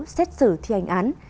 xét xử thi hành án